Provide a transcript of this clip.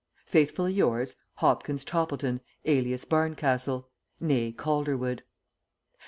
"Faithfully yours, "HOPKINS TOPPLETON, alias BARNCASTLE, "Né CALDERWOOD.